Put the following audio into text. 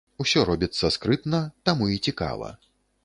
Усё робіцца скрытна, таму і цікава.